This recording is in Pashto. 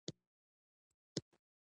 بدرنګه ذهن تل منفي فکر کوي